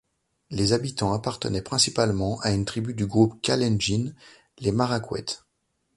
Les habitants appartenaient principalement à une tribu du groupe kalenjin, les Marakwet.